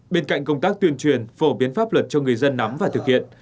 bên cạnh công tác tuyên truyền phổ biến pháp luật cho người dân nắm và thực hiện